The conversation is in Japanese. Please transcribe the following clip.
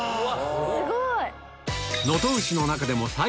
すごい！